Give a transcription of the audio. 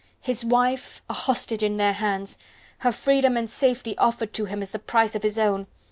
his wife, a hostage in their hands! her freedom and safety offered to him as the price of his own!